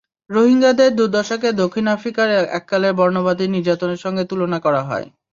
রোহিঙ্গাদের দুর্দশাকে দক্ষিণ আফ্রিকার এককালের বর্ণবাদী নির্যাতনের সঙ্গে তুলনা করা হয়।